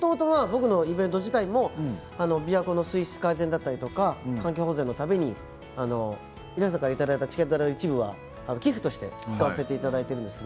イベント自体も琵琶湖の水質改善だったり環境保全のために皆さんからいただいたチケット代の一部は寄付として使わせていただいているんです。